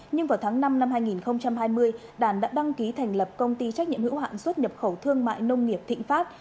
nhưng vào tháng năm năm hai nghìn hai mươi đàn đã đăng ký thành lập công ty trách nhiệm hữu hạn xuất nhập khẩu thương mại nông nghiệp thịnh pháp